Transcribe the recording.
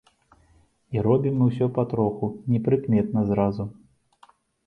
І робім мы ўсё патроху, непрыкметна зразу.